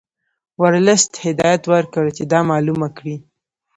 ورلسټ هدایت ورکړ چې دا معلومه کړي.